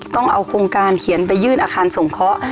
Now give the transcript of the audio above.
ต้องเอาโครงการเขียนไปยื่นอาคารสงเคราะห์